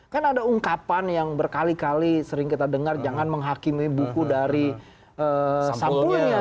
kan ada ungkapan yang berkali kali sering kita dengar jangan menghakimi buku dari sambonya